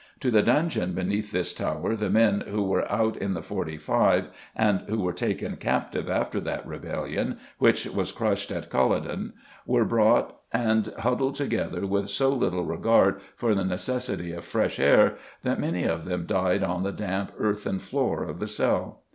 To the dungeon beneath this tower the men who were "out in the Forty Five," and who were taken captive after that rebellion which was crushed at Culloden, were brought and huddled together with so little regard for the necessity of fresh air that many of them died on the damp earthen floor of the cell.